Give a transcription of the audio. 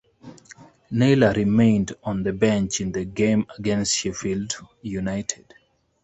Naylor remained on the bench in the game against Sheffield United.